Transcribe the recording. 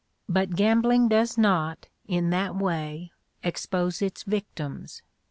But gambling does not, in that way, expose its victims.